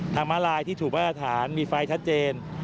ทางทำลายที่ถูกแบบอาธารมีไฟทัดเจน